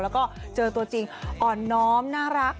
แล้วก็เจอตัวจริงอ่อนน้อมน่ารัก